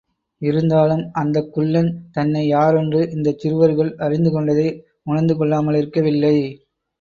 இருந்தாலும், அந்தக் குள்ளன் தன்னை யாரென்று இந்தச் சிறுவர்கள் அறிந்துகொண்டதை உணர்ந்துகொள்ளாமலிருக்கவில்லை.